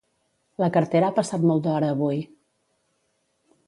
La cartera ha passat molt d'hora avui